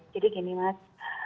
jadi gini mas